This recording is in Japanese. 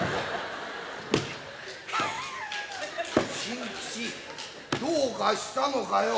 新吉どうかしたのかよ。